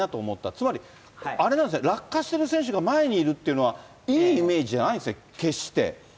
つまりあれなんですね、落下してる選手が前にいるっていうのは、いいイメージじゃないんですね、決して。